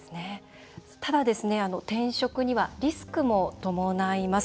ただ、転職にはリスクも伴います。